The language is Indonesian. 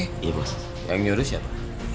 iya bos yang nyurus siapa